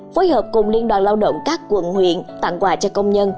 phối hợp cùng liên đoàn lao động các quận huyện tặng quà cho công nhân